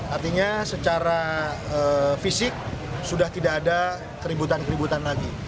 artinya secara fisik sudah tidak ada keributan keributan lagi